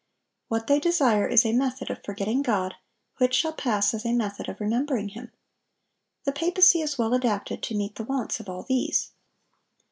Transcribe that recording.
What they desire is a method of forgetting God which shall pass as a method of remembering Him. The papacy is well adapted to meet the wants of all these.